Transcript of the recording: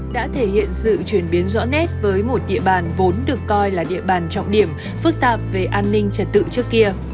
đã thể hiện sự chuyển biến rõ nét với một địa bàn vốn được coi là địa bàn trọng điểm phức tạp về an ninh trật tự trước kia